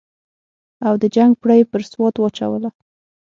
او د جنګ پړه یې پر سوات واچوله.